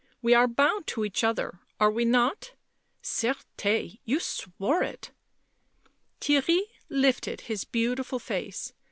we are bound to each other, are we not? Certes! you swore it." Theirry lifted his beautiful face.